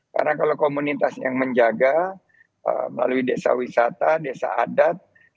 karena kalau komunitas yang menjaga melalui desa wisata desa adat